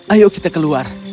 ayo kita keluar